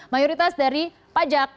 mayoritas dari pajak